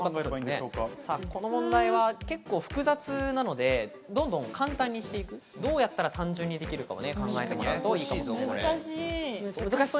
この問題は結構複雑なので、どんどん簡単にしていって、どうやったら単純にできるかを考えたらいいかもしれません。